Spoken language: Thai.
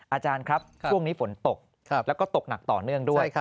อาจารย์ครับช่วงนี้ฝนตกแล้วก็ตกหนักต่อเนื่องด้วย